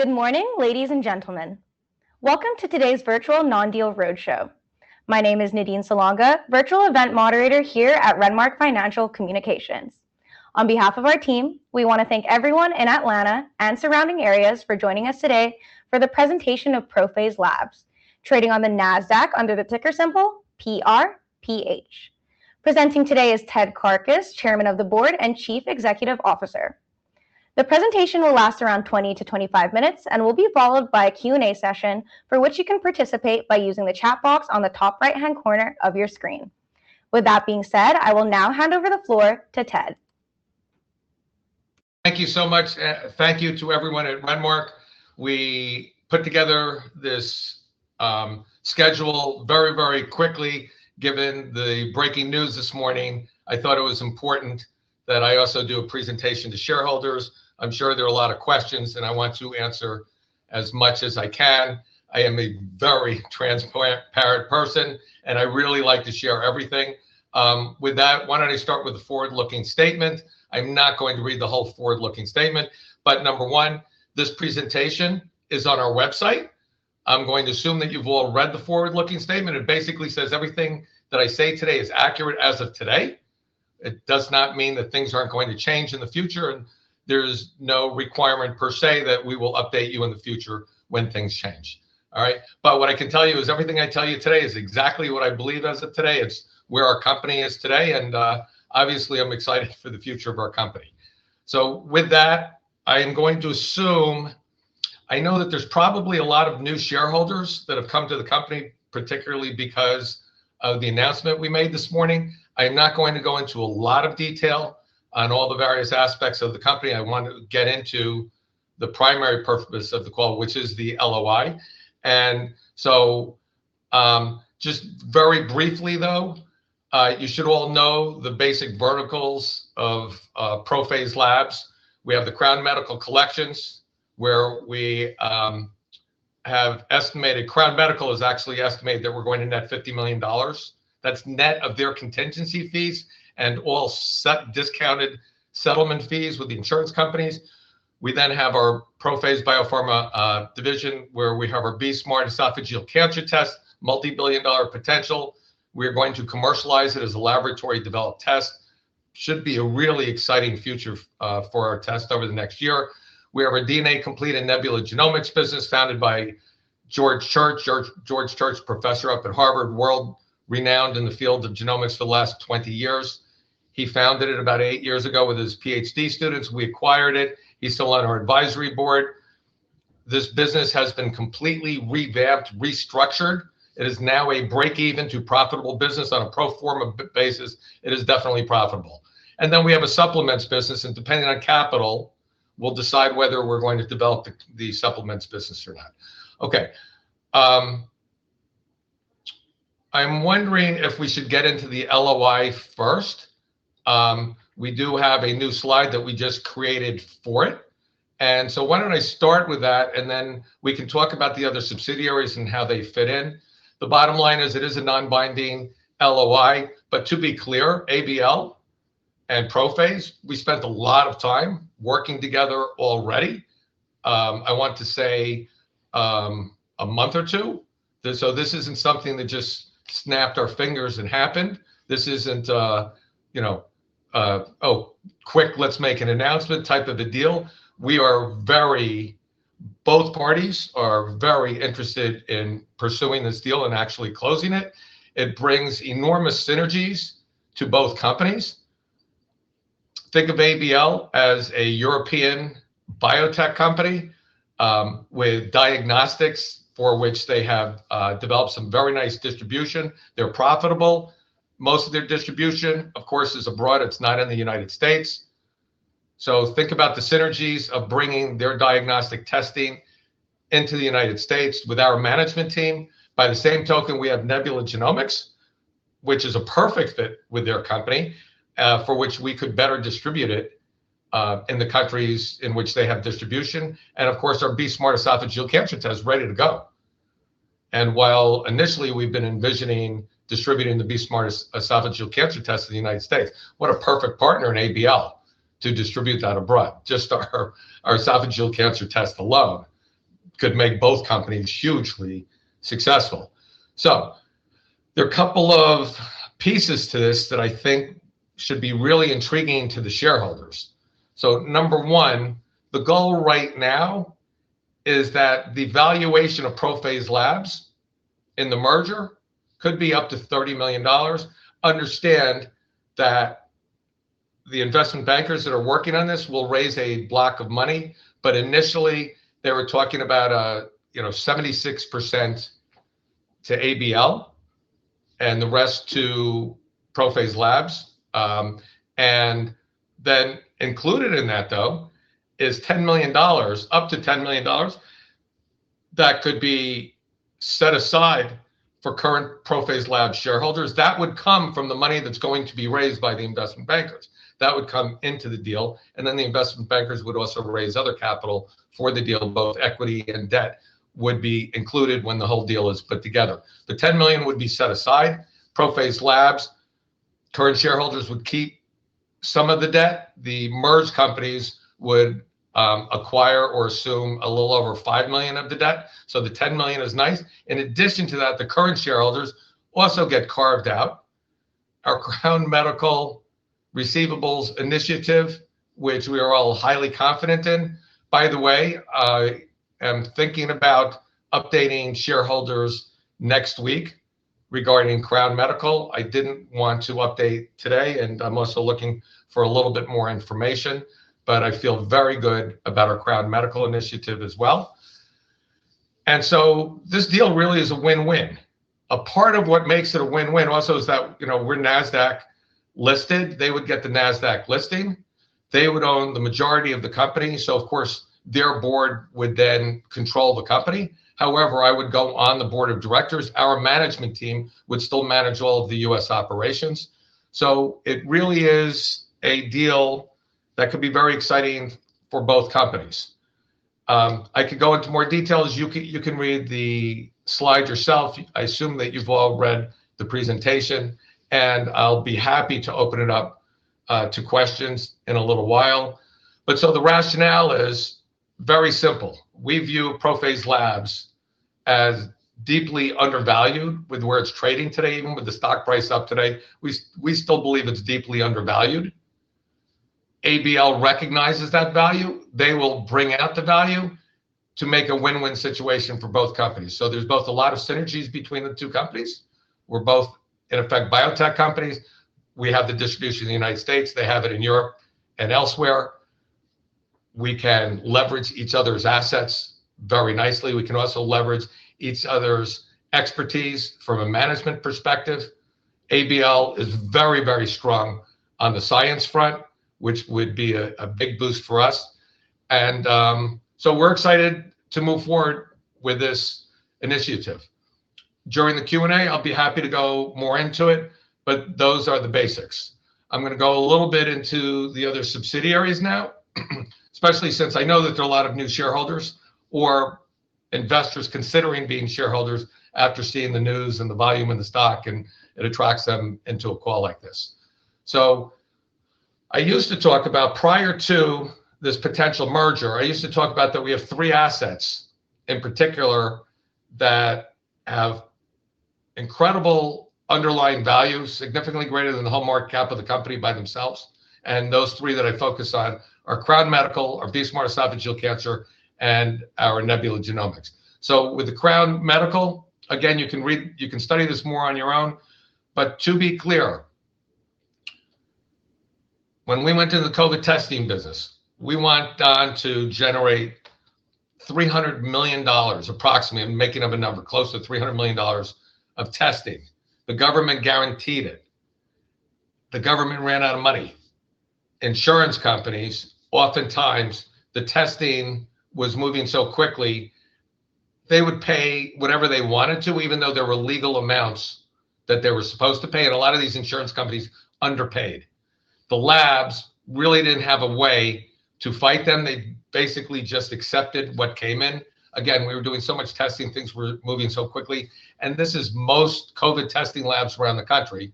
Good morning, ladies and gentlemen. Welcome to today's virtual non-deal roadshow. My name is Nadine Salonga, Virtual Event Moderator here at Renmark Financial Communications. On behalf of our team, we want to thank everyone in Atlanta and surrounding areas for joining us today for the presentation of ProPhase Labs, trading on the NASDAQ under the ticker symbol PRPH. Presenting today is Ted Karkus, Chairman of the Board and Chief Executive Officer. The presentation will last around 20-25 minutes and will be followed by a Q&A session for which you can participate by using the chat box on the top right-hand corner of your screen. With that being said, I will now hand over the floor to Ted. Thank you so much. Thank you to everyone at Renmark. We put together this schedule very, very quickly. Given the breaking news this morning, I thought it was important that I also do a presentation to shareholders. I'm sure there are a lot of questions, and I want to answer as much as I can. I am a very transparent person, and I really like to share everything. With that, why don't I start with a forward-looking statement? I'm not going to read the whole forward-looking statement, but number one, this presentation is on our website. I'm going to assume that you've all read the forward-looking statement. It basically says everything that I say today is accurate as of today. It does not mean that things aren't going to change in the future, and there's no requirement per se that we will update you in the future when things change. All right? But what I can tell you is everything I tell you today is exactly what I believe as of today. It's where our company is today, and obviously, I'm excited for the future of our company. So with that, I am going to assume I know that there's probably a lot of new shareholders that have come to the company, particularly because of the announcement we made this morning. I'm not going to go into a lot of detail on all the various aspects of the company. I want to get into the primary purpose of the call, which is the LOI. And so just very briefly, though, you should all know the basic verticals of ProPhase Labs. We have the Crown Medical collections, where we have estimated Crown Medical has actually estimated that we're going to net $50 million. That's net of their contingency fees and all discounted settlement fees with the insurance companies. We then have our ProPhase BioPharma division, where we have our BE-Smart esophageal cancer test, multi-billion-dollar potential. We are going to commercialize it as a laboratory-developed test. It should be a really exciting future for our test over the next year. We have a DNA Complete and Nebula Genomics business founded by George Church, George Church professor up at Harvard, world-renowned in the field of genomics for the last 20 years. He founded it about eight years ago with his PhD students. We acquired it. He's still on our advisory board. This business has been completely revamped, restructured. It is now a break-even to profitable business on a pro forma basis. It is definitely profitable. Then we have a supplements business, and depending on capital, we'll decide whether we're going to develop the supplements business or not. Okay. I'm wondering if we should get into the LOI first. We do have a new slide that we just created for it. And so why don't I start with that, and then we can talk about the other subsidiaries and how they fit in. The bottom line is it is a non-binding LOI, but to be clear, ABL and ProPhase, we spent a lot of time working together already. I want to say a month or two. So this isn't something that just snapped our fingers and happened. This isn't, you know, oh, quick, let's make an announcement type of a deal. We are very, both parties are very interested in pursuing this deal and actually closing it. It brings enormous synergies to both companies. Think of ABL as a European biotech company with diagnostics for which they have developed some very nice distribution. They're profitable. Most of their distribution, of course, is abroad. It's not in the United States. So think about the synergies of bringing their diagnostic testing into the United States with our management team. By the same token, we have Nebula Genomics, which is a perfect fit with their company, for which we could better distribute it in the countries in which they have distribution. And of course, our BE-Smart esophageal cancer test is ready to go. And while initially we've been envisioning distributing the BE-Smart esophageal cancer test in the United States, what a perfect partner in ABL to distribute that abroad. Just our esophageal cancer test alone could make both companies hugely successful. So there are a couple of pieces to this that I think should be really intriguing to the shareholders. So number one, the goal right now is that the valuation of ProPhase Labs in the merger could be up to $30 million. Understand that the investment bankers that are working on this will raise a block of money, but initially they were talking about a 76% to ABL and the rest to ProPhase Labs. And then included in that, though, is $10 million, up to $10 million, that could be set aside for current ProPhase Labs shareholders. That would come from the money that's going to be raised by the investment bankers. That would come into the deal. And then the investment bankers would also raise other capital for the deal. Both equity and debt would be included when the whole deal is put together. The $10 million would be set aside. ProPhase Labs' current shareholders would keep some of the debt. The merged companies would acquire or assume a little over $5 million of the debt. So the $10 million is nice. In addition to that, the current shareholders also get carved out. Our Crown Medical receivables initiative, which we are all highly confident in. By the way, I'm thinking about updating shareholders next week regarding Crown Medical. I didn't want to update today, and I'm also looking for a little bit more information, but I feel very good about our Crown Medical initiative as well. And so this deal really is a win-win. A part of what makes it a win-win also is that, you know, we're NASDAQ-listed. They would get the NASDAQ listing. They would own the majority of the company. So of course, their board would then control the company. However, I would go on the board of directors. Our management team would still manage all of the U.S. operations. So it really is a deal that could be very exciting for both companies. I could go into more details. You can read the slide yourself. I assume that you've all read the presentation, and I'll be happy to open it up to questions in a little while. But so the rationale is very simple. We view ProPhase Labs as deeply undervalued with where it's trading today, even with the stock price up today. We still believe it's deeply undervalued. ABL recognizes that value. They will bring out the value to make a win-win situation for both companies. So there's both a lot of synergies between the two companies. We're both, in effect, biotech companies. We have the distribution in the United States. They have it in Europe and elsewhere. We can leverage each other's assets very nicely. We can also leverage each other's expertise from a management perspective. ABL is very, very strong on the science front, which would be a big boost for us. And so we're excited to move forward with this initiative. During the Q&A, I'll be happy to go more into it, but those are the basics. I'm going to go a little bit into the other subsidiaries now, especially since I know that there are a lot of new shareholders or investors considering being shareholders after seeing the news and the volume in the stock, and it attracts them into a call like this. So I used to talk about, prior to this potential merger, I used to talk about that we have three assets in particular that have incredible underlying value, significantly greater than the whole market cap of the company by themselves. Those three that I focus on are Crown Medical, our BE-Smart esophageal cancer, and our Nebula Genomics. With the Crown Medical, again, you can read, you can study this more on your own. But to be clear, when we went into the COVID testing business, we went on to generate $300 million approximately. I'm making up a number, close to $300 million of testing. The government guaranteed it. The government ran out of money. Insurance companies, oftentimes, the testing was moving so quickly, they would pay whatever they wanted to, even though there were legal amounts that they were supposed to pay. And a lot of these insurance companies underpaid. The labs really didn't have a way to fight them. They basically just accepted what came in. Again, we were doing so much testing, things were moving so quickly. This is how most COVID testing labs around the country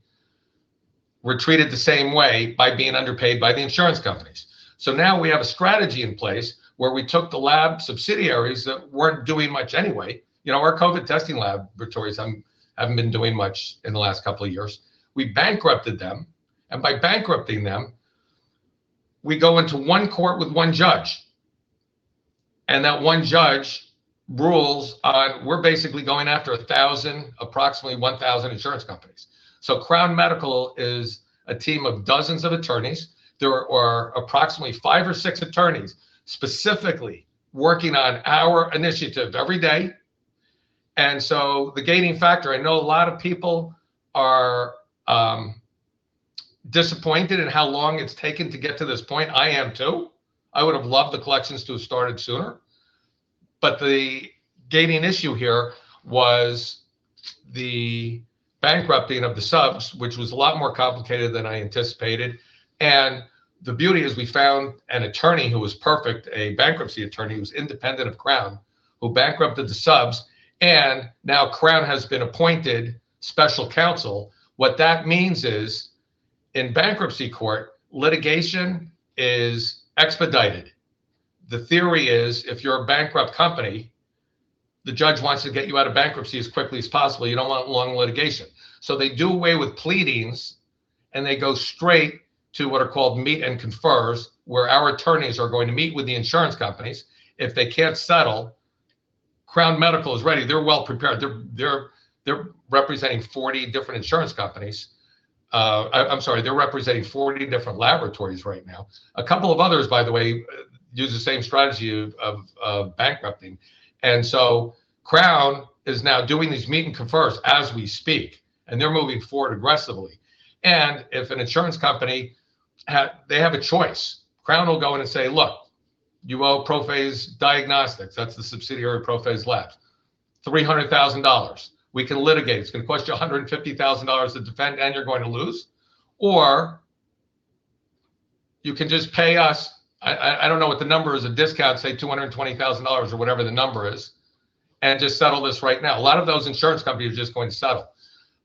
were treated the same way by being underpaid by the insurance companies. Now we have a strategy in place where we took the lab subsidiaries that weren't doing much anyway. You know, our COVID testing laboratories, they haven't been doing much in the last couple of years. We bankrupted them. By bankrupting them, we go into one court with one judge. That one judge rules on, we're basically going after 1,000, approximately 1,000 insurance companies. Crown Medical is a team of dozens of attorneys. There are approximately five or six attorneys specifically working on our initiative every day. The gating factor, I know a lot of people are disappointed in how long it's taken to get to this point. I am too. I would have loved the collections to have started sooner. But the gating issue here was the bankrupting of the subs, which was a lot more complicated than I anticipated. The beauty is we found an attorney who was perfect, a bankruptcy attorney who was independent of Crown, who bankrupted the subs and now Crown has been appointed special counsel. What that means is in bankruptcy court, litigation is expedited. The theory is if you're a bankrupt company, the judge wants to get you out of bankruptcy as quickly as possible. You don't want long litigation. So they do away with pleadings, and they go straight to what are called meet and confer, where our attorneys are going to meet with the insurance companies. If they can't settle, Crown Medical is ready. They're well prepared. They're representing 40 different insurance companies. I'm sorry, they're representing 40 different laboratories right now. A couple of others, by the way, use the same strategy of bankrupting. And so Crown is now doing these meet and confers as we speak, and they're moving forward aggressively. And if an insurance company, they have a choice. Crown will go in and say, look, you owe ProPhase Diagnostics. That's the subsidiary ProPhase Labs. $300,000. We can litigate. It's going to cost you $150,000 to defend, and you're going to lose. Or you can just pay us, I don't know what the number is, a discount, say $220,000 or whatever the number is, and just settle this right now. A lot of those insurance companies are just going to settle.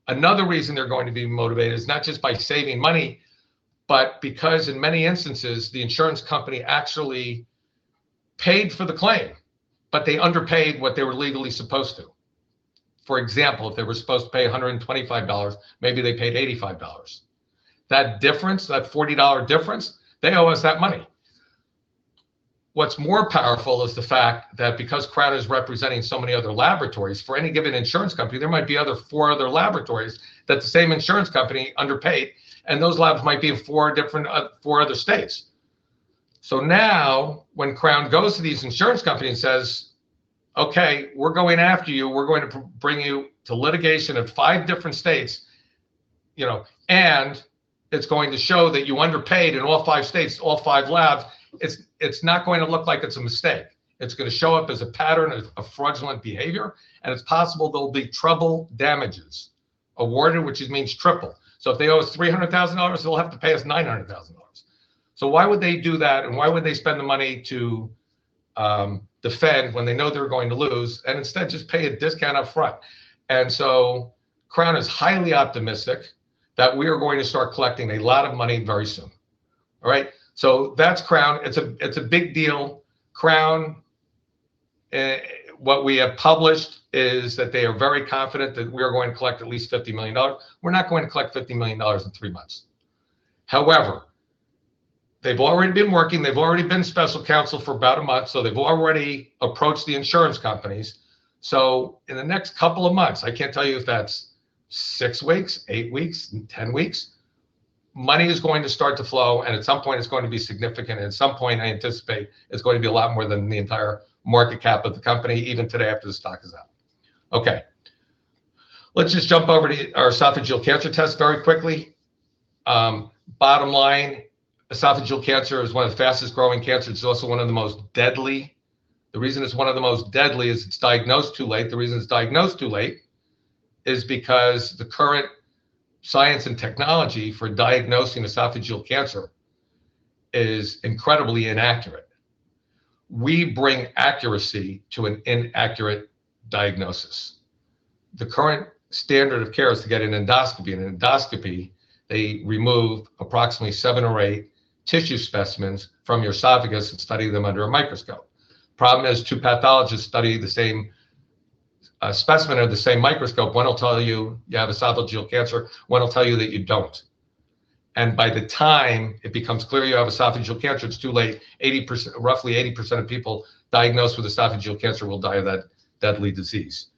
Another reason they're going to be motivated is not just by saving money, but because in many instances, the insurance company actually paid for the claim, but they underpaid what they were legally supposed to. For example, if they were supposed to pay $125, maybe they paid $85. That difference, that $40 difference, they owe us that money. What's more powerful is the fact that because Crown is representing so many other laboratories, for any given insurance company, there might be four other laboratories that the same insurance company underpaid, and those labs might be in four different states. So now when Crown goes to these insurance companies and says, "Okay, we're going after you. We're going to bring you to litigation in five different states," you know, and it's going to show that you underpaid in all five states, all five labs, it's not going to look like it's a mistake. It's going to show up as a pattern of fraudulent behavior, and it's possible there'll be treble damages awarded, which means triple. So if they owe us $300,000, they'll have to pay us $900,000. So why would they do that, and why would they spend the money to defend when they know they're going to lose and instead just pay a discount upfront? And so Crown is highly optimistic that we are going to start collecting a lot of money very soon. All right? So that's Crown. It's a big deal. Crown, what we have published is that they are very confident that we are going to collect at least $50 million. We're not going to collect $50 million in three months. However, they've already been working. They've already been special counsel for about a month, so they've already approached the insurance companies. So in the next couple of months, I can't tell you if that's six weeks, eight weeks, ten weeks, money is going to start to flow, and at some point it's going to be significant. At some point, I anticipate it's going to be a lot more than the entire market cap of the company, even today after the stock is out. Okay. Let's just jump over to our esophageal cancer test very quickly. Bottom line, esophageal cancer is one of the fastest growing cancers. It's also one of the most deadly. The reason it's one of the most deadly is it's diagnosed too late. The reason it's diagnosed too late is because the current science and technology for diagnosing esophageal cancer is incredibly inaccurate. We bring accuracy to an inaccurate diagnosis. The current standard of care is to get an endoscopy. In an endoscopy, they remove approximately seven or eight tissue specimens from your esophagus and study them under a microscope. The problem is two pathologists study the same specimen under the same microscope. One will tell you you have esophageal cancer. One will tell you that you don't, and by the time it becomes clear you have esophageal cancer, it's too late. Roughly 80% of people diagnosed with esophageal cancer will die of that deadly disease.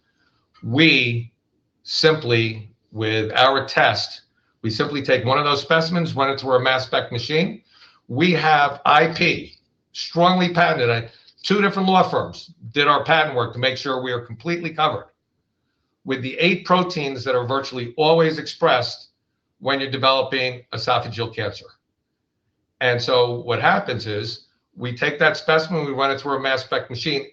We simply, with our test, we simply take one of those specimens, run it through our mass spec machine. We have IP, strongly patented. Two different law firms did our patent work to make sure we are completely covered with the eight proteins that are virtually always expressed when you're developing esophageal cancer, and so what happens is we take that specimen, we run it through a mass spec machine.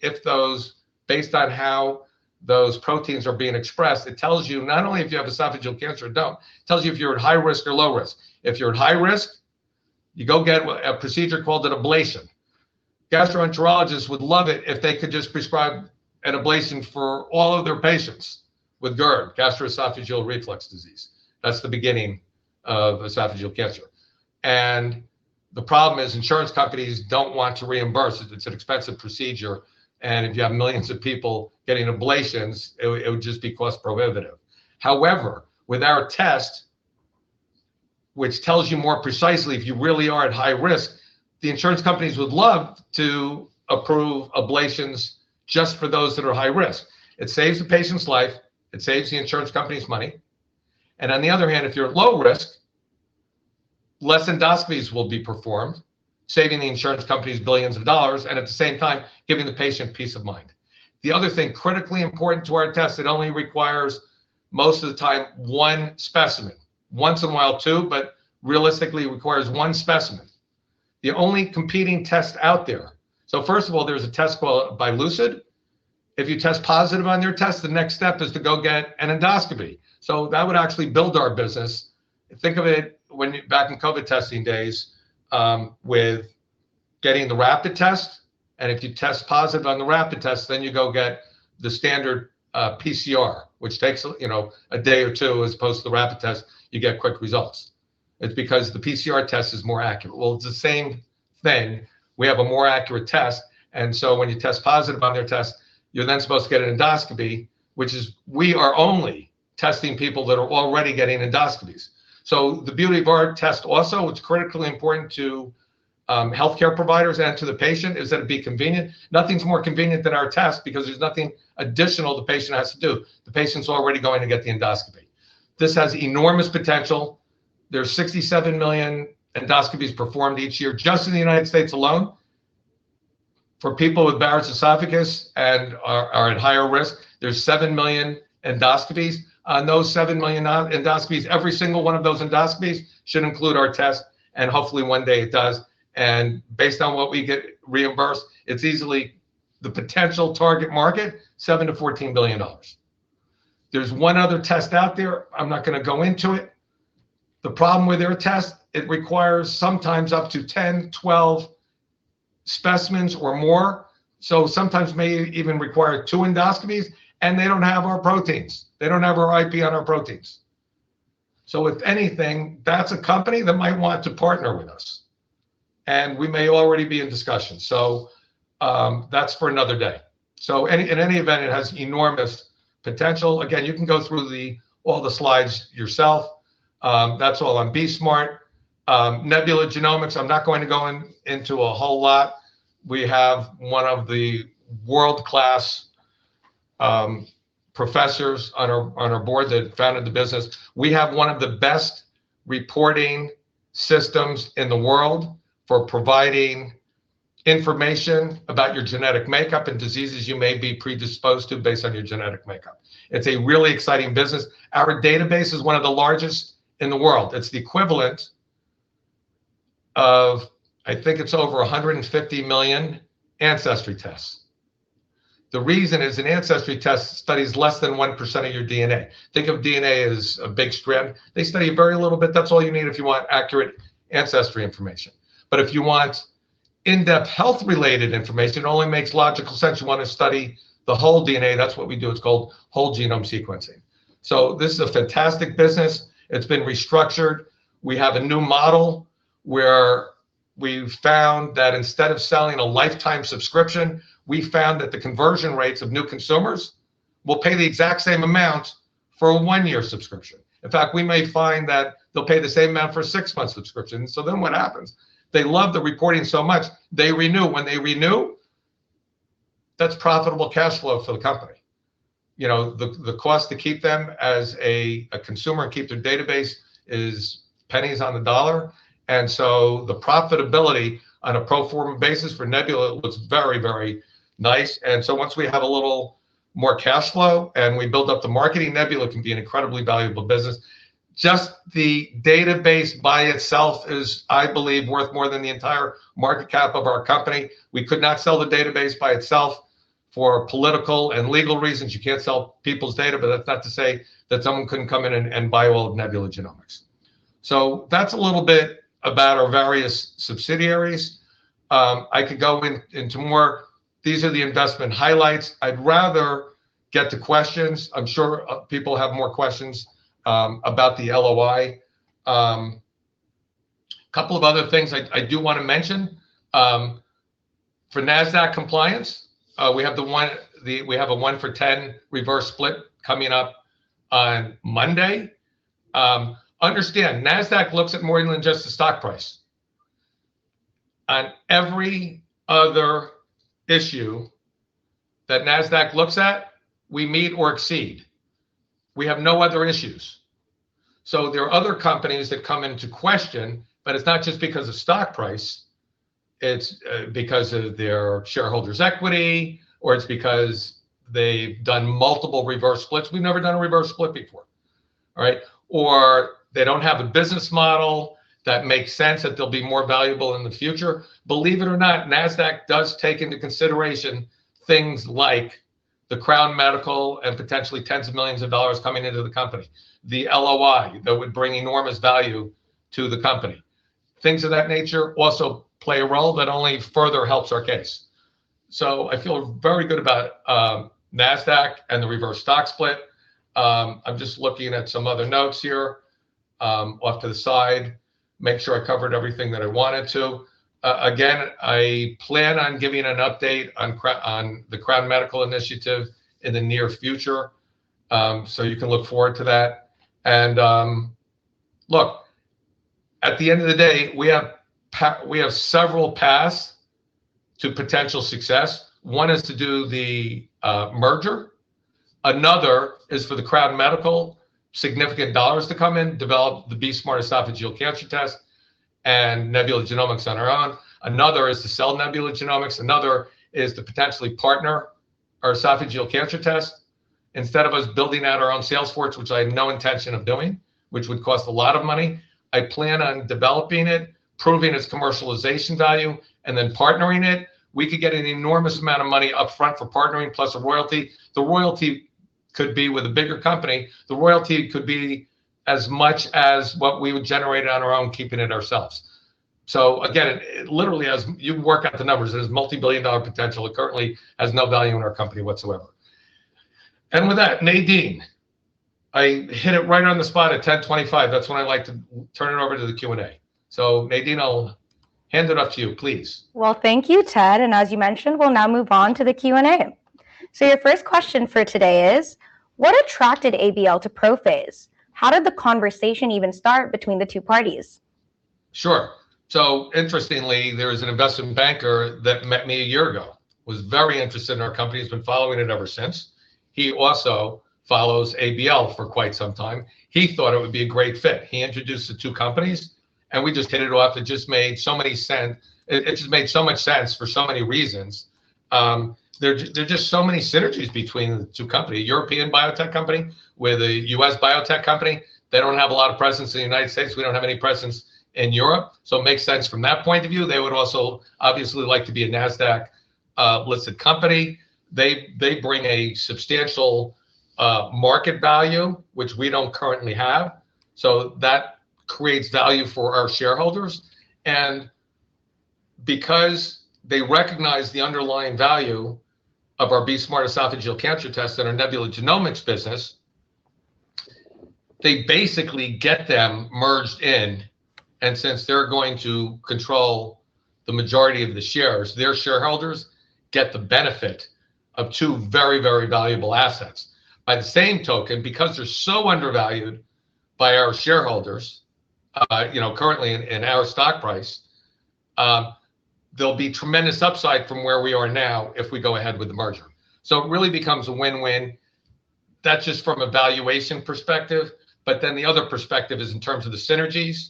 Based on how those proteins are being expressed, it tells you not only if you have esophageal cancer or don't, it tells you if you're at high risk or low risk. If you're at high risk, you go get a procedure called an ablation. Gastroenterologists would love it if they could just prescribe an ablation for all of their patients with GERD, gastroesophageal reflux disease. That's the beginning of esophageal cancer, and the problem is insurance companies don't want to reimburse. It's an expensive procedure, and if you have millions of people getting ablations, it would just be cost prohibitive. However, with our test, which tells you more precisely if you really are at high risk, the insurance companies would love to approve ablations just for those that are high risk. It saves the patient's life. It saves the insurance company's money. On the other hand, if you're at low risk, less endoscopies will be performed, saving the insurance companies billions of dollars and at the same time giving the patient peace of mind. The other thing critically important to our test that only requires most of the time one specimen, once in a while two, but realistically requires one specimen. The only competing test out there. First of all, there's a test called [BYLUSID. If you test positive on your test, the next step is to go get an endoscopy. That would actually build our business. Think of it back in COVID testing days with getting the rapid test. If you test positive on the rapid test, then you go get the standard PCR, which takes a day or two as opposed to the rapid test. You get quick results. It's because the PCR test is more accurate. Well, it's the same thing. We have a more accurate test. And so when you test positive on their test, you're then supposed to get an endoscopy, which is we are only testing people that are already getting endoscopies. So the beauty of our test also, it's critically important to healthcare providers and to the patient, is that it'd be convenient. Nothing's more convenient than our test because there's nothing additional the patient has to do. The patient's already going to get the endoscopy. This has enormous potential. There's 67 million endoscopies performed each year just in the United States alone. For people with Barrett's esophagus and are at higher risk, there's 7 million endoscopies. On those 7 million endoscopies, every single one of those endoscopies should include our test. And hopefully one day it does. Based on what we get reimbursed, it's easily the potential target market, $7 billion-$14 billion. There's one other test out there. I'm not going to go into it. The problem with their test, it requires sometimes up to 10, 12 specimens or more. So sometimes may even require two endoscopies. And they don't have our proteins. They don't have our IP on our proteins. So if anything, that's a company that might want to partner with us. And we may already be in discussion. So that's for another day. So in any event, it has enormous potential. Again, you can go through all the slides yourself. That's all on BE-Smart. Nebula Genomics, I'm not going to go into a whole lot. We have one of the world-class professors on our board that founded the business. We have one of the best reporting systems in the world for providing information about your genetic makeup and diseases you may be predisposed to based on your genetic makeup. It's a really exciting business. Our database is one of the largest in the world. It's the equivalent of, I think it's over 150 million ancestry tests. The reason is an ancestry test studies less than 1% of your DNA. Think of DNA as a big strand. They study very little bit. That's all you need if you want accurate ancestry information. But if you want in-depth health-related information, it only makes logical sense you want to study the whole DNA. That's what we do. It's called whole genome sequencing, so this is a fantastic business. It's been restructured. We have a new model where we've found that instead of selling a lifetime subscription, we found that the conversion rates of new consumers will pay the exact same amount for a one-year subscription. In fact, we may find that they'll pay the same amount for a six-month subscription. So then what happens? They love the reporting so much. They renew. When they renew, that's profitable cash flow for the company. You know, the cost to keep them as a consumer and keep their database is pennies on the dollar. And so the profitability on a pro forma basis for Nebula looks very, very nice. And so once we have a little more cash flow and we build up the marketing, Nebula can be an incredibly valuable business. Just the database by itself is, I believe, worth more than the entire market cap of our company. We could not sell the database by itself for political and legal reasons. You can't sell people's data, but that's not to say that someone couldn't come in and buy all of Nebula Genomics. So that's a little bit about our various subsidiaries. I could go into more. These are the investment highlights. I'd rather get to questions. I'm sure people have more questions about the LOI. A couple of other things I do want to mention. For NASDAQ compliance, we have the 1-for-10 reverse split coming up on Monday. Understand, NASDAQ looks at more than just the stock price. On every other issue that NASDAQ looks at, we meet or exceed. We have no other issues. So there are other companies that come into question, but it's not just because of stock price. It's because of their shareholders' equity, or it's because they've done multiple reverse splits. We've never done a reverse split before. All right, or they don't have a business model that makes sense that they'll be more valuable in the future. Believe it or not, NASDAQ does take into consideration things like the Crown Medical and potentially tens of millions of dollars coming into the company, the LOI that would bring enormous value to the company. Things of that nature also play a role that only further helps our case, so I feel very good about NASDAQ and the reverse stock split. I'm just looking at some other notes here off to the side, make sure I covered everything that I wanted to. Again, I plan on giving an update on the Crown Medical initiative in the near future, so you can look forward to that, and look, at the end of the day, we have several paths to potential success. One is to do the merger. Another is for the Crown Medical, significant dollars to come in, develop the BE-Smart esophageal cancer test and Nebula Genomics on our own. Another is to sell Nebula Genomics. Another is to potentially partner our esophageal cancer test. Instead of us building out our own sales force, which I have no intention of doing, which would cost a lot of money, I plan on developing it, proving its commercialization value, and then partnering it. We could get an enormous amount of money upfront for partnering plus a royalty. The royalty could be with a bigger company. The royalty could be as much as what we would generate on our own, keeping it ourselves. So again, literally, as you work out the numbers, there's multi-billion-dollar potential. It currently has no value in our company whatsoever. And with that, Nadine, I hit it right on the spot at 10:25AM. That's when I like to turn it over to the Q&A. So Nadine, I'll hand it off to you, please. Thank you, Ted. As you mentioned, we'll now move on to the Q&A. Your first question for today is, what attracted ABL to Prophase? How did the conversation even start between the two parties? Sure. So interestingly, there is an investment banker that met me a year ago, was very interested in our company, has been following it ever since. He also follows ABL for quite some time. He thought it would be a great fit. He introduced the two companies, and we just hit it off. It just made so many sense. It just made so much sense for so many reasons. There are just so many synergies between the two companies. European biotech company with a U.S. biotech company. They don't have a lot of presence in the United States. We don't have any presence in Europe. So it makes sense from that point of view. They would also obviously like to be a NASDAQ-listed company. They bring a substantial market value, which we don't currently have. So that creates value for our shareholders. And because they recognize the underlying value of our BE-Smart esophageal cancer test and our Nebula Genomics business, they basically get them merged in. And since they're going to control the majority of the shares, their shareholders get the benefit of two very, very valuable assets. By the same token, because they're so undervalued by our shareholders currently in our stock price, there'll be tremendous upside from where we are now if we go ahead with the merger. So it really becomes a win-win. That's just from a valuation perspective. But then the other perspective is in terms of the synergies.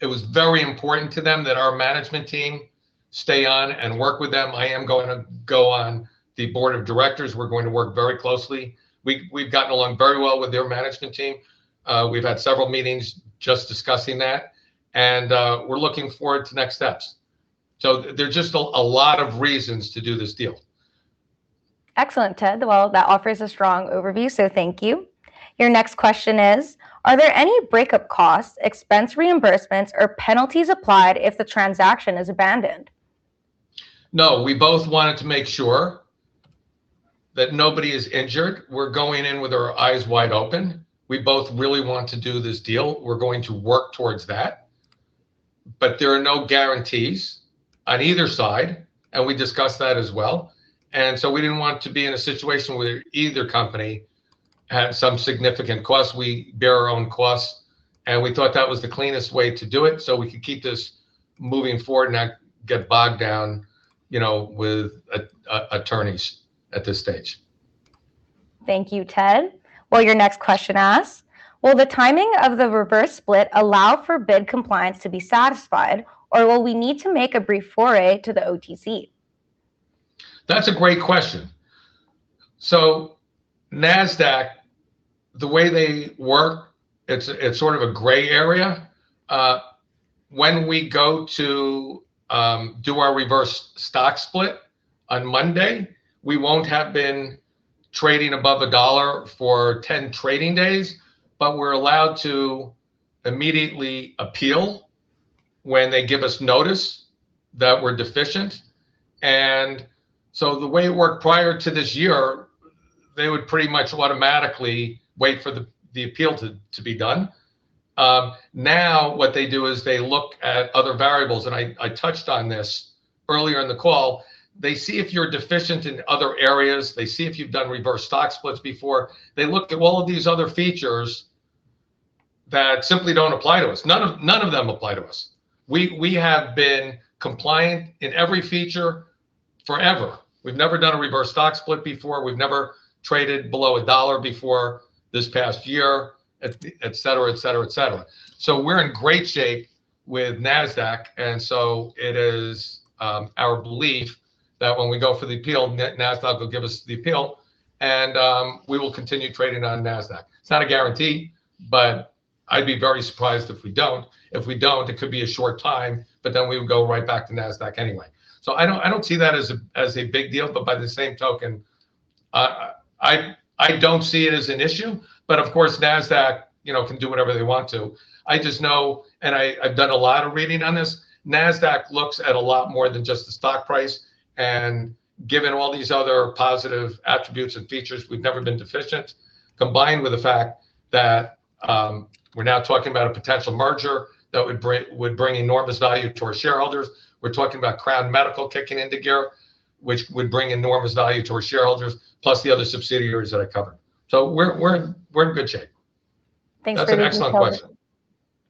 It was very important to them that our management team stay on and work with them. I am going to go on the board of directors. We're going to work very closely. We've gotten along very well with their management team. We've had several meetings just discussing that. And we're looking forward to next steps. So there are just a lot of reasons to do this deal. Excellent, Ted. Well, that offers a strong overview. So thank you. Your next question is, are there any breakup costs, expense reimbursements, or penalties applied if the transaction is abandoned? No, we both wanted to make sure that nobody is injured. We're going in with our eyes wide open. We both really want to do this deal. We're going to work towards that. But there are no guarantees on either side. And we discussed that as well. And so we didn't want to be in a situation where either company had some significant costs. We bear our own costs. And we thought that was the cleanest way to do it so we could keep this moving forward and not get bogged down with attorneys at this stage. Thank you, Ted. Your next question asks, will the timing of the reverse split allow for bid compliance to be satisfied, or will we need to make a brief foray to the OTC? That's a great question. So NASDAQ, the way they work, it's sort of a gray area. When we go to do our reverse stock split on Monday, we won't have been trading above $1 for 10 trading days, but we're allowed to immediately appeal when they give us notice that we're deficient. And so the way it worked prior to this year, they would pretty much automatically wait for the appeal to be done. Now what they do is they look at other variables. And I touched on this earlier in the call. They see if you're deficient in other areas. They see if you've done reverse stock splits before. They look at all of these other features that simply don't apply to us. None of them apply to us. We have been compliant in every feature forever. We've never done a reverse stock split before. We've never traded below a dollar before this past year, et cetera, et cetera, et cetera. So we're in great shape with NASDAQ. And so it is our belief that when we go for the appeal, NASDAQ will give us the appeal. And we will continue trading on NASDAQ. It's not a guarantee, but I'd be very surprised if we don't. If we don't, it could be a short time, but then we would go right back to NASDAQ anyway. So I don't see that as a big deal, but by the same token, I don't see it as an issue. But of course, NASDAQ can do whatever they want to. I just know, and I've done a lot of reading on this, NASDAQ looks at a lot more than just the stock price. And given all these other positive attributes and features, we've never been deficient. Combined with the fact that we're now talking about a potential merger that would bring enormous value to our shareholders. We're talking about Crown Medical kicking into gear, which would bring enormous value to our shareholders, plus the other subsidiaries that I covered. So we're in good shape. Thanks for the detailed response. That's an excellent question.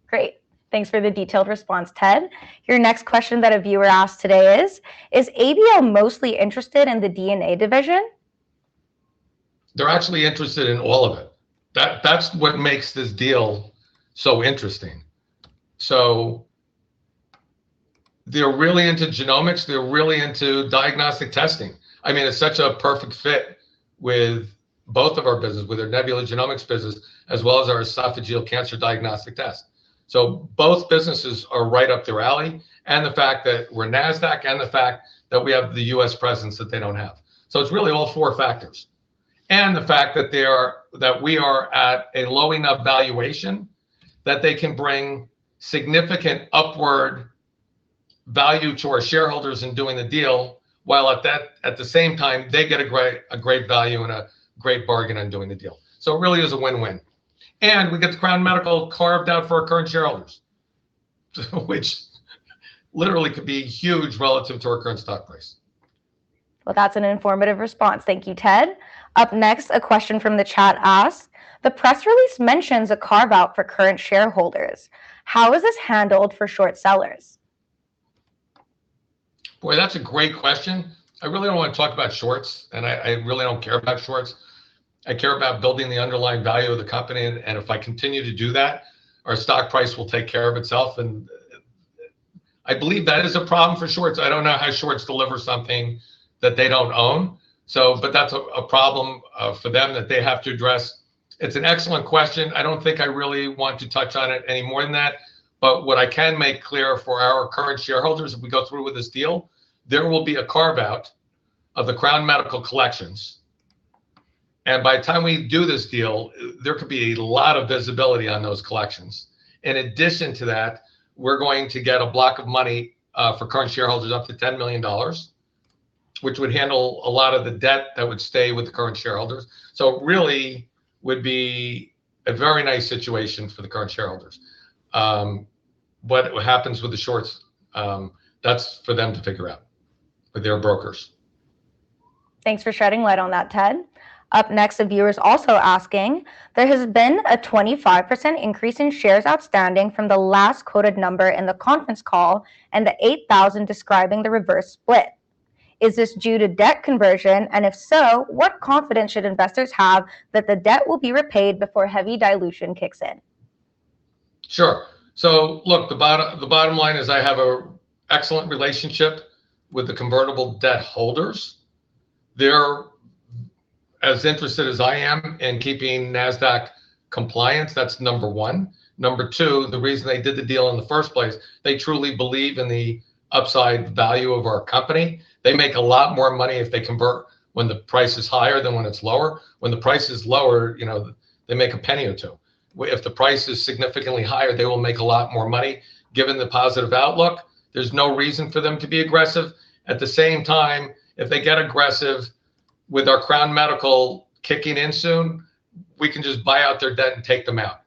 Great. Thanks for the detailed response, Ted. Your next question that a viewer asked today is, is ABL mostly interested in the DNA division? They're actually interested in all of it. That's what makes this deal so interesting. So they're really into genomics. They're really into diagnostic testing. I mean, it's such a perfect fit with both of our businesses, with our Nebula Genomics business, as well as our esophageal cancer diagnostic test. So both businesses are right up their alley. And the fact that we're NASDAQ and the fact that we have the U.S. presence that they don't have. So it's really all four factors. And the fact that we are at a low enough valuation that they can bring significant upward value to our shareholders in doing the deal, while at the same time, they get a great value and a great bargain on doing the deal. So it really is a win-win. We get the Crown Medical carved out for our current shareholders, which literally could be huge relative to our current stock price. Well, that's an informative response. Thank you, Ted. Up next, a question from the chat asks, the press release mentions a carve-out for current shareholders. How is this handled for short sellers? Boy, that's a great question. I really don't want to talk about shorts, and I really don't care about shorts. I care about building the underlying value of the company. And if I continue to do that, our stock price will take care of itself. And I believe that is a problem for shorts. I don't know how shorts deliver something that they don't own. But that's a problem for them that they have to address. It's an excellent question. I don't think I really want to touch on it any more than that. But what I can make clear for our current shareholders, if we go through with this deal, there will be a carve-out of the Crown Medical collections. And by the time we do this deal, there could be a lot of visibility on those collections. In addition to that, we're going to get a block of money for current shareholders up to $10 million, which would handle a lot of the debt that would stay with the current shareholders. So it really would be a very nice situation for the current shareholders. But what happens with the shorts, that's for them to figure out with their brokers. Thanks for shedding light on that, Ted. Up next, a viewer is also asking: there has been a 25% increase in shares outstanding from the last quoted number in the conference call and the 8,000 describing the reverse split. Is this due to debt conversion? And if so, what confidence should investors have that the debt will be repaid before heavy dilution kicks in? Sure. So look, the bottom line is I have an excellent relationship with the convertible debt holders. They're as interested as I am in keeping NASDAQ compliance. That's number one. Number two, the reason they did the deal in the first place, they truly believe in the upside value of our company. They make a lot more money if they convert when the price is higher than when it's lower. When the price is lower, they make a penny or two. If the price is significantly higher, they will make a lot more money. Given the positive outlook, there's no reason for them to be aggressive. At the same time, if they get aggressive with our Crown Medical kicking in soon, we can just buy out their debt and take them out.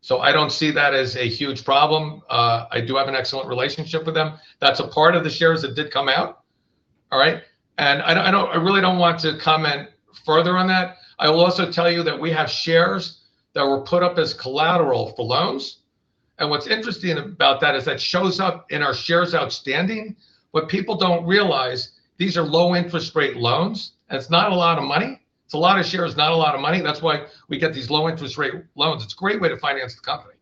So I don't see that as a huge problem. I do have an excellent relationship with them. That's a part of the shares that did come out. All right. And I really don't want to comment further on that. I will also tell you that we have shares that were put up as collateral for loans. And what's interesting about that is that shows up in our shares outstanding. What people don't realize, these are low interest rate loans. And it's not a lot of money. It's a lot of shares, not a lot of money. That's why we get these low interest rate loans. It's a great way to finance the company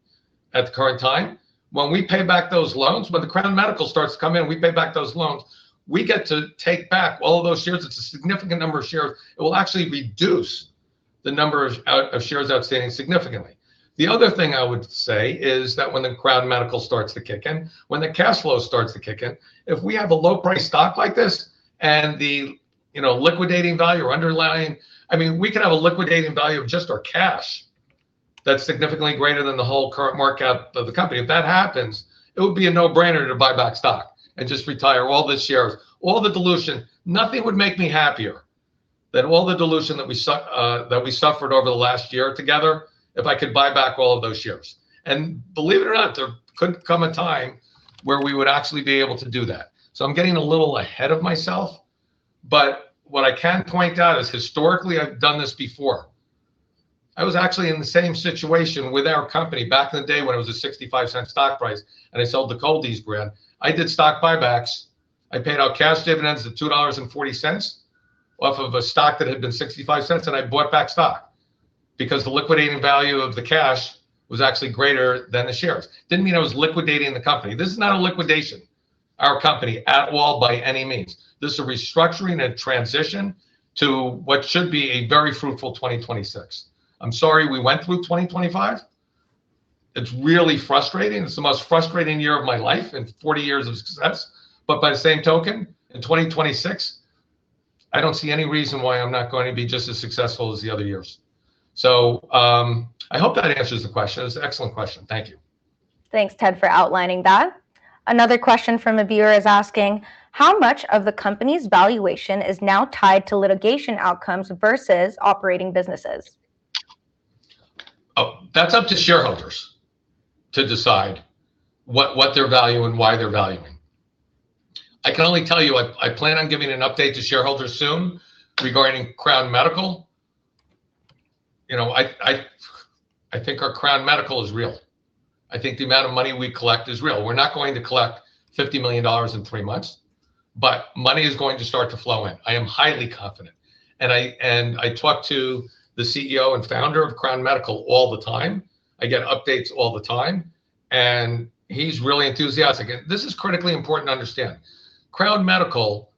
at the current time. When we pay back those loans, when the Crown Medical starts to come in and we pay back those loans, we get to take back all of those shares. It's a significant number of shares. It will actually reduce the number of shares outstanding significantly. The other thing I would say is that when the Crown Medical starts to kick in, when the cash flow starts to kick in, if we have a low-priced stock like this and the liquidating value or underlying, I mean, we can have a liquidating value of just our cash that's significantly greater than the whole current market of the company. If that happens, it would be a no-brainer to buy back stock and just retire all the shares, all the dilution. Nothing would make me happier than all the dilution that we suffered over the last year together if I could buy back all of those shares, and believe it or not, there could come a time where we would actually be able to do that, so I'm getting a little ahead of myself, but what I can point out is historically, I've done this before. I was actually in the same situation with our company back in the day when it was a $0.65 stock price, and I sold the Cold-EEZE brand. I did stock buybacks. I paid out cash dividends at $2.40 off of a stock that had been $0.65, and I bought back stock because the liquidating value of the cash was actually greater than the shares. It didn't mean I was liquidating the company. This is not a liquidation, our company, at all by any means. This is a restructuring and transition to what should be a very fruitful 2026. I'm sorry we went through 2025. It's really frustrating. It's the most frustrating year of my life in 40 years of success, but by the same token, in 2026, I don't see any reason why I'm not going to be just as successful as the other years. So I hope that answers the question. It's an excellent question. Thank you. Thanks, Ted, for outlining that. Another question from a viewer is asking, how much of the company's valuation is now tied to litigation outcomes versus operating businesses? That's up to shareholders to decide what their value and why they're valuing. I can only tell you I plan on giving an update to shareholders soon regarding Crown Medical. I think our Crown Medical is real. I think the amount of money we collect is real. We're not going to collect $50 million in three months, but money is going to start to flow in. I am highly confident, and I talk to the CEO and Founder of Crown Medical all the time. I get updates all the time, and he's really enthusiastic. This is critically important to understand. Crown Medical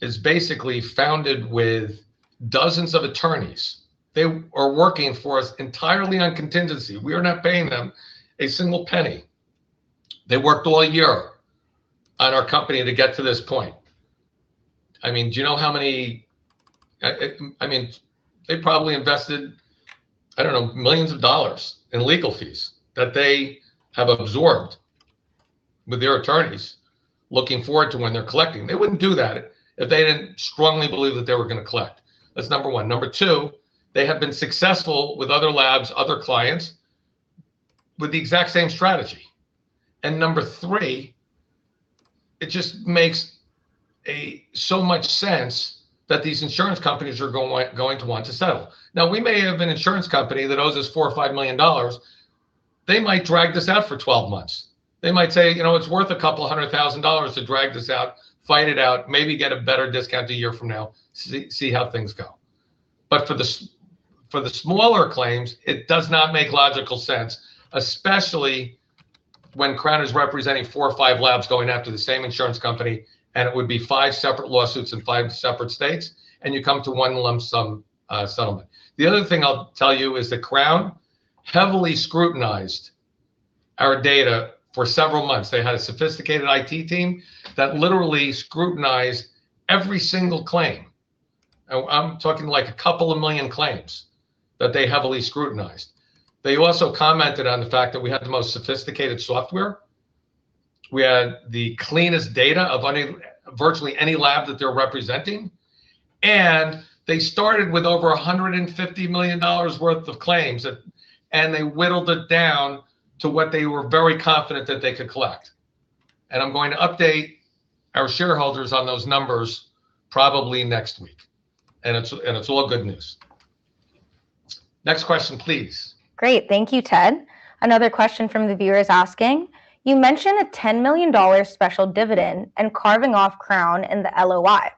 is basically founded with dozens of attorneys. They are working for us entirely on contingency. We are not paying them a single penny. They worked all year on our company to get to this point. I mean, do you know how many? I mean, they probably invested, I don't know, millions of dollars in legal fees that they have absorbed with their attorneys, looking forward to when they're collecting. They wouldn't do that if they didn't strongly believe that they were going to collect. That's number one. Number two, they have been successful with other labs, other clients, with the exact same strategy. And number three, it just makes so much sense that these insurance companies are going to want to settle. Now, we may have an insurance company that owes us $4 million or $5 million. They might drag this out for 12 months. They might say, you know, it's worth a couple of hundred thousand dollars to drag this out, fight it out, maybe get a better discount a year from now, see how things go. But for the smaller claims, it does not make logical sense, especially when Crown is representing four or five labs going after the same insurance company, and it would be five separate lawsuits in five separate states, and you come to one lump sum settlement. The other thing I'll tell you is that Crown heavily scrutinized our data for several months. They had a sophisticated IT team that literally scrutinized every single claim. I'm talking like a couple of million claims that they heavily scrutinized. They also commented on the fact that we had the most sophisticated software. We had the cleanest data of virtually any lab that they're representing. And they started with over $150 million worth of claims, and they whittled it down to what they were very confident that they could collect. And I'm going to update our shareholders on those numbers probably next week. It's all good news. Next question, please. Great. Thank you, Ted. Another question from the viewer is asking, you mentioned a $10 million special dividend and carving off Crown in the LOI.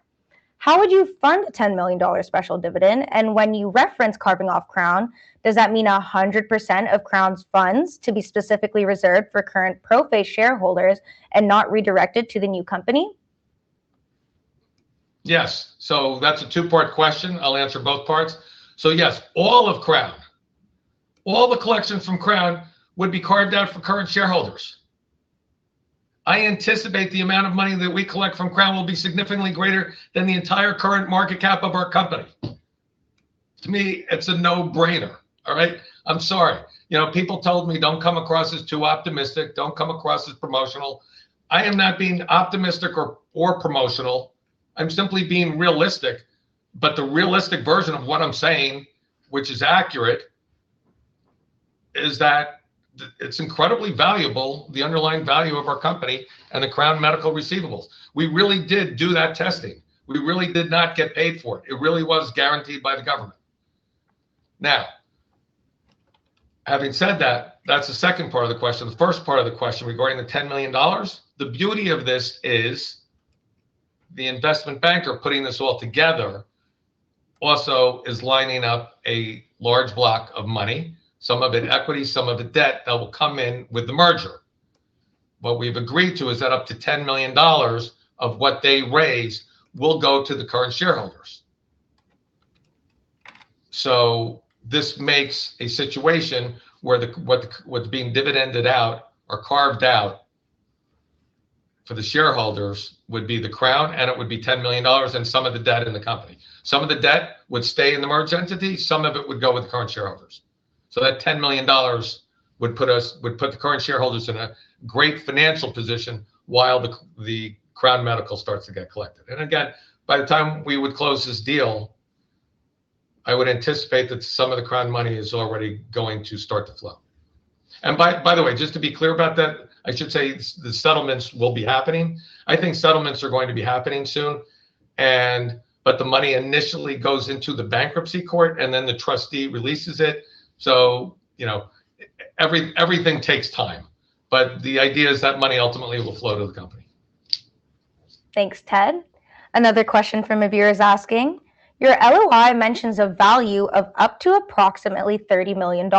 How would you fund a $10 million special dividend? And when you reference carving off Crown, does that mean 100% of Crown's funds to be specifically reserved for current ProPhase shareholders and not redirected to the new company? Yes. So that's a two-part question. I'll answer both parts. So yes, all of Crown, all the collections from Crown would be carved out for current shareholders. I anticipate the amount of money that we collect from Crown will be significantly greater than the entire current market cap of our company. To me, it's a no-brainer. All right? I'm sorry. People told me, don't come across as too optimistic. Don't come across as promotional. I am not being optimistic or promotional. I'm simply being realistic. But the realistic version of what I'm saying, which is accurate, is that it's incredibly valuable, the underlying value of our company and the Crown Medical receivables. We really did do that testing. We really did not get paid for it. It really was guaranteed by the government. Now, having said that, that's the second part of the question. The first part of the question regarding the $10 million, the beauty of this is the investment banker putting this all together also is lining up a large block of money, some of it equity, some of it debt that will come in with the merger. What we've agreed to is that up to $10 million of what they raise will go to the current shareholders, so this makes a situation where what's being dividended out or carved out for the shareholders would be the Crown Medical, and it would be $10 million and some of the debt in the company. Some of the debt would stay in the merged entity. Some of it would go with the current shareholders, so that $10 million would put the current shareholders in a great financial position while the Crown Medical starts to get collected. And again, by the time we would close this deal, I would anticipate that some of the Crown money is already going to start to flow. And by the way, just to be clear about that, I should say the settlements will be happening. I think settlements are going to be happening soon. But the money initially goes into the bankruptcy court, and then the trustee releases it. So everything takes time. But the idea is that money ultimately will flow to the company. Thanks, Ted. Another question from a viewer is asking, "Your LOI mentions a value of up to approximately $30 million.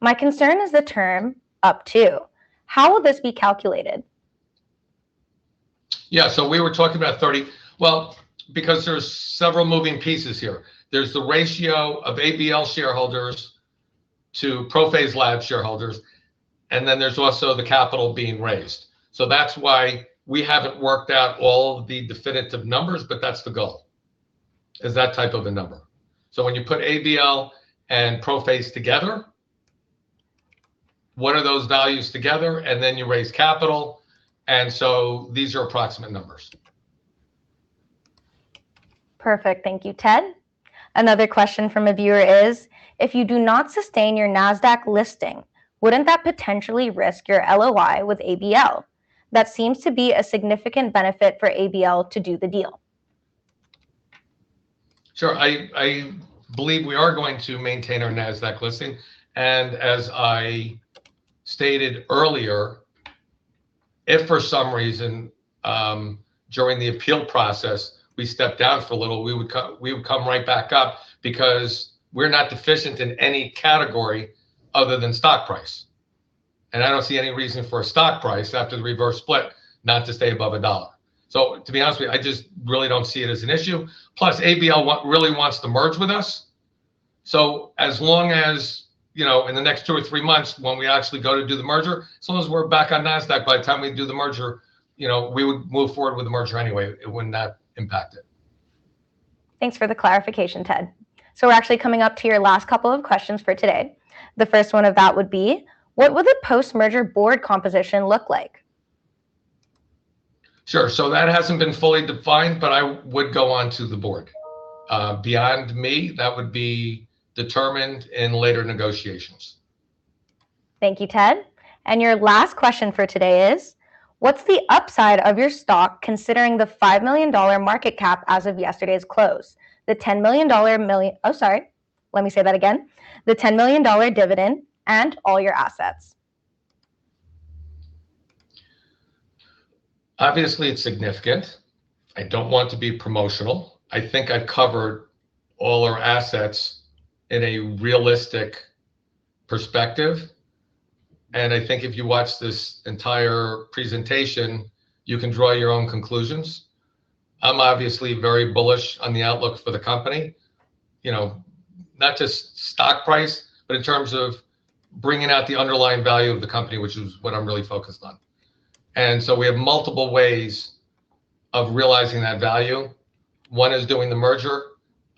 My concern is the term up to. How will this be calculated?" Yeah. So we were talking about 30. Well, because there's several moving pieces here. There's the ratio of ABL shareholders to ProPhase Labs shareholders. And then there's also the capital being raised. So that's why we haven't worked out all the definitive numbers, but that's the goal, is that type of a number. So when you put ABL and ProPhase together, what are those values together? And then you raise capital. And so these are approximate numbers. Perfect. Thank you, Ted. Another question from a viewer is, if you do not sustain your NASDAQ listing, wouldn't that potentially risk your LOI with ABL? That seems to be a significant benefit for ABL to do the deal. Sure. I believe we are going to maintain our NASDAQ listing, and as I stated earlier, if for some reason during the appeal process, we step down for a little, we would come right back up because we're not deficient in any category other than stock price, and I don't see any reason for a stock price after the reverse split not to stay above $1, so to be honest with you, I just really don't see it as an issue. Plus, ABL really wants to merge with us, so as long as in the next two or three months when we actually go to do the merger, as long as we're back on NASDAQ by the time we do the merger, we would move forward with the merger anyway. It wouldn't impact it. Thanks for the clarification, Ted. So we're actually coming up to your last couple of questions for today. The first one of that would be, what will the post-merger board composition look like? Sure. So that hasn't been fully defined, but I would go on to the board. Beyond me, that would be determined in later negotiations. Thank you, Ted. And your last question for today is, what's the upside of your stock considering the $5 million market cap as of yesterday's close, the $10 million dividend and all your assets? Obviously, it's significant. I don't want to be promotional. I think I've covered all our assets in a realistic perspective, and I think if you watch this entire presentation, you can draw your own conclusions. I'm obviously very bullish on the outlook for the company, not just stock price, but in terms of bringing out the underlying value of the company, which is what I'm really focused on, and so we have multiple ways of realizing that value. One is doing the merger.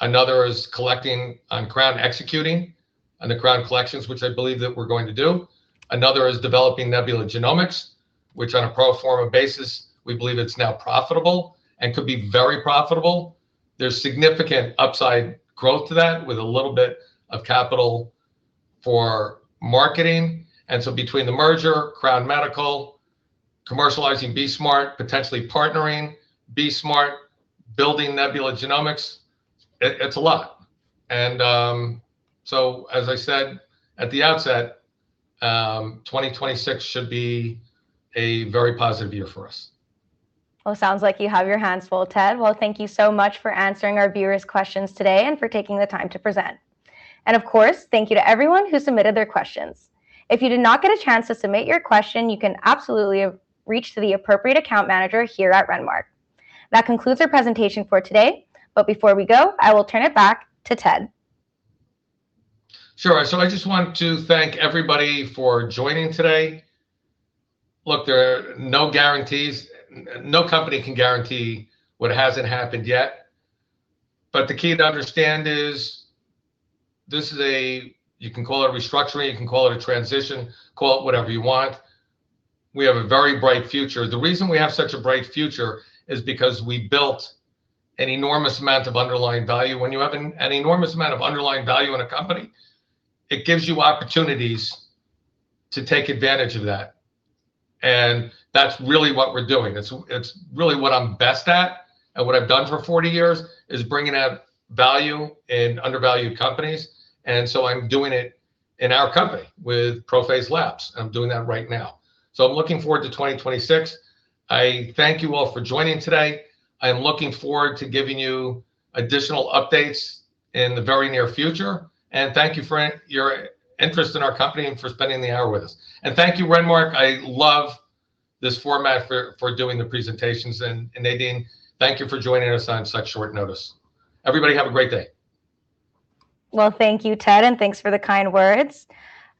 Another is collecting on Crown, executing on the Crown collections, which I believe that we're going to do. Another is developing Nebula Genomics, which on a pro forma basis, we believe it's now profitable and could be very profitable. There's significant upside growth to that with a little bit of capital for marketing. And so between the merger, Crown Medical, commercializing BE-Smart, potentially partnering BE-Smart, building Nebula Genomics, it's a lot. And so as I said at the outset, 2026 should be a very positive year for us. It sounds like you have your hands full, Ted. Thank you so much for answering our viewers' questions today and for taking the time to present. Of course, thank you to everyone who submitted their questions. If you did not get a chance to submit your question, you can absolutely reach out to the appropriate account manager here at Renmark. That concludes our presentation for today. Before we go, I will turn it back to Ted. Sure. So I just want to thank everybody for joining today. Look, there are no guarantees. No company can guarantee what hasn't happened yet. But the key to understand is this is a, you can call it a restructuring. You can call it a transition. Call it whatever you want. We have a very bright future. The reason we have such a bright future is because we built an enormous amount of underlying value. When you have an enormous amount of underlying value in a company, it gives you opportunities to take advantage of that. And that's really what we're doing. It's really what I'm best at and what I've done for 40 years is bringing out value in undervalued companies. And so I'm doing it in our company with ProPhase Labs. I'm doing that right now. So I'm looking forward to 2026. I thank you all for joining today. I am looking forward to giving you additional updates in the very near future. And thank you for your interest in our company and for spending the hour with us. And thank you, Renmark. I love this format for doing the presentations. And Nadine, thank you for joining us on such short notice. Everybody have a great day. Thank you, Ted. And thanks for the kind words.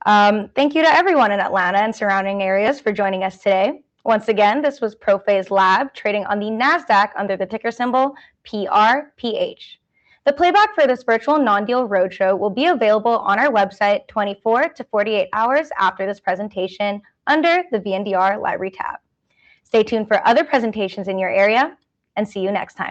Thank you to everyone in Atlanta and surrounding areas for joining us today. Once again, this was ProPhase Labs trading on the NASDAQ under the ticker symbol PRPH. The playback for this virtual non-deal roadshow will be available on our website 24-48 hours after this presentation under the VNDR library tab. Stay tuned for other presentations in your area and see you next time.